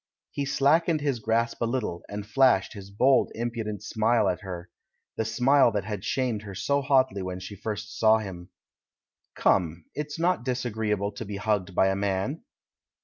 He slackened his grasp a little, and flashed his bold, impudent smile at her — the smile that had shamed her so hotly when she first saw him. "Come, it's not disagreeable to be hugged by a man?